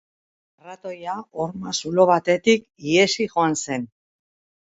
Arratoia horma zulo batetik ihesi joan zen.